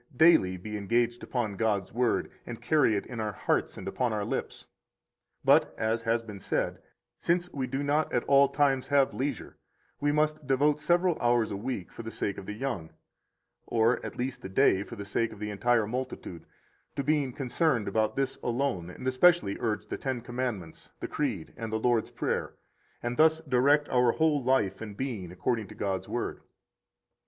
daily be engaged upon God's Word, and carry it in our hearts and upon our lips. But (as has been said) since we do not at all times have leisure, we must devote several hours a week for the sake of the young, or at least a day for the sake of the entire multitude, to being concerned about this alone, and especially urge the Ten Commandments, the Creed, and the Lord's Prayer, and thus direct our whole life and being according to God's Word.